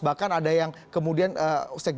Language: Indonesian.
bahkan ada yang kemudian sejak jadinya